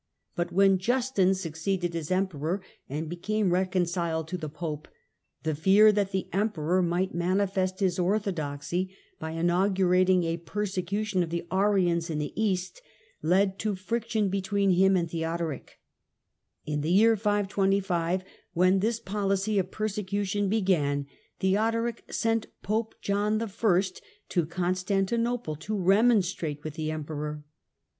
But when Justin succeeded as Emperor and became reconciled to the Pope, the fear that the Emperor might manifest his orthodoxy by inaugurating a persecution of the Arians in the east led to friction between him and Theodoric, In the year 525, when this policy of persecution began, Theodoric sent Pope John I. to Constantinople to remon strate with the Emperor.